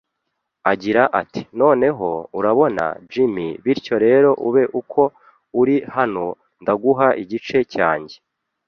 Agira ati: “Noneho, urabona, Jim, bityo rero ube uko uri hano.” Ndaguha igice cyanjye